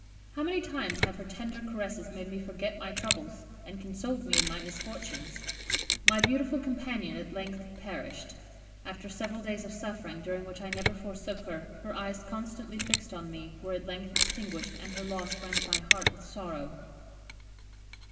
How many times have her tender caresses made me forget my troubles, and consoled me in my misfortunes. My beautiful companion at length perished. After several days of suffering, during which I never forsook her, her eyes constantly fixed on me, were at length extinguished; and her loss rent my heart with sorrow."